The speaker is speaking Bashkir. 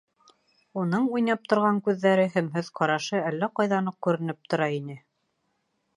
Уның уйнап торған күҙҙәре, һөмһөҙ ҡарашы әллә ҡайҙан уҡ күренеп тора ине.